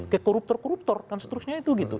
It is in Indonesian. ke koruptor koruptor dan seterusnya itu gitu